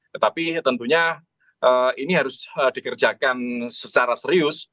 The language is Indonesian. tetapi tentunya ini harus dikerjakan secara serius